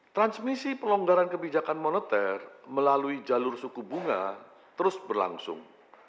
transmisi pelonggaran kebijakan moneter melalui jalur suku bunga terus berlangsung